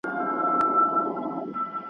وطن بېغمه له محتسبه ,